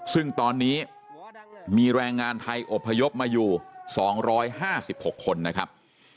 ซึ่งตอนนี้มีแรงงานไทยอบพยพมาอยู่๒๕๖คนนะครับ